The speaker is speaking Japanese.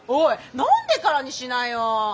飲んでからにしなよ。